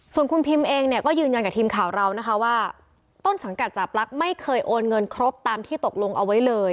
ส่วนคุณพิมเองเนี่ยก็ยืนยันกับทีมข่าวเรานะคะว่าต้นสังกัดจาบลักษณ์ไม่เคยโอนเงินครบตามที่ตกลงเอาไว้เลย